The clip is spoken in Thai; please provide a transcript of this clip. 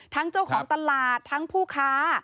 เจ้าของตลาดทั้งผู้ค้า